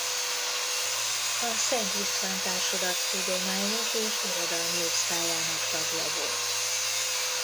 A Szent István Társulat tudományos és irodalmi osztályának tagja volt.